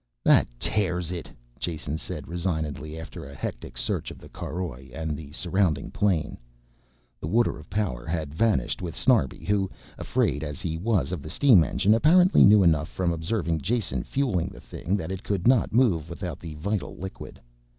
"That tears it," Jason said resignedly after a hectic search of the caroj and the surrounding plain. The water of power had vanished with Snarbi who, afraid as he was of the steam engine, apparently knew enough from observing Jason fueling the thing that it could not move without the vital liquid.